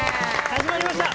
始まりました。